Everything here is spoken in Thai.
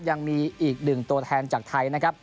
ยังมีอีกหนึ่งตัวแทนจากไทยนะครับ